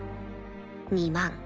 ２万